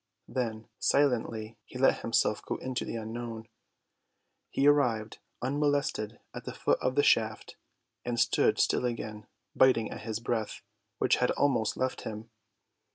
Then, silently, he let himself go into the unknown. He arrived unmolested at the foot of the shaft, and stood still again, biting at his breath, which had almost left him.